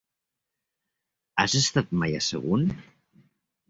Has estat mai a Sagunt?